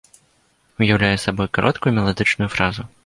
Уяўляе сабой кароткую меладычную фразу.